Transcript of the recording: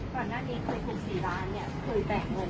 ก่อนหน้านี้คุยถูกสี่ร้านเนี่ยคุยแบ่งหน่อย